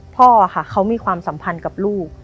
พ่อค่ะเขามีความสัมพันธ์กับลูก